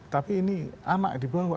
tapi ini anak dibawa